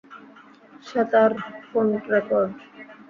শ্বেতার phone record.